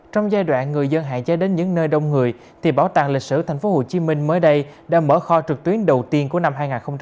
trong giai đoạn người dân hạn chế đến những nơi đông người bảo tàng lịch sử tp hcm mới đây đã mở kho trực tuyến đầu tiên của năm hai nghìn hai mươi